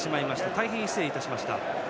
大変、失礼いたしました。